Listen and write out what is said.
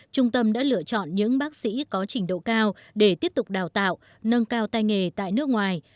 trung tâm đã lựa chọn những bác sĩ có trình độ cao để tiếp tục đào tạo nâng cao tay nghề tại nước ngoài